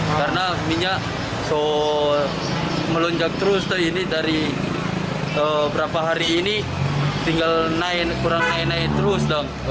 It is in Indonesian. karena minyak melonjak terus dari berapa hari ini tinggal kurang naik naik terus